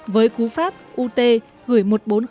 với cú pháp ut gửi một nghìn bốn trăm linh